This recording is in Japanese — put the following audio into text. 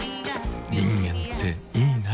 人間っていいナ。